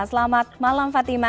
selamat malam fatima